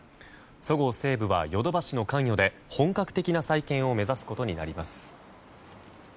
そごう・西武はヨドバシの関与で本格的な再建を目指すことになります。